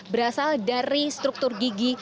berasal dari struktur gigi